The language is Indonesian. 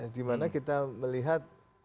dimana kita melihat